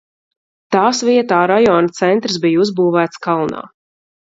Tās vietā rajona centrs bija uzbūvēts kalnā.